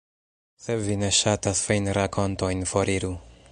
Se vi ne ŝatas feinrakontojn, foriru.